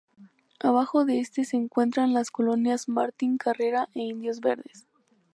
Abajo de este se encuentran las colonias Martín Carrera e Indios Verdes.